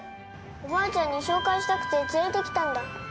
おばあちゃんに紹介したくて連れてきたんだ。